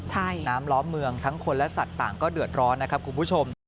ใช่น้ำล้อมเมืองทั้งคนและสัตว์ต่างก็เดือดร้อนนะครับคุณผู้ชม